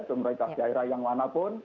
jumlahnya kasiara yang manapun